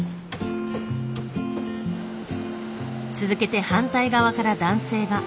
続けて反対側から男性が。